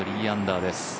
３アンダーです。